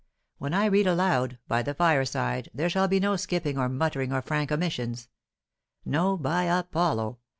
When I read aloud, by the fire side, there shall be no skipping or muttering or frank omissions; no, by Apollo!